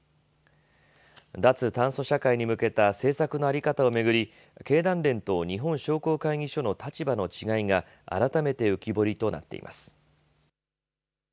脱炭素社会に向けた政策の在り方を巡り、経団連と日本商工会議所の立場の違いが改めて浮き彫りとなっています。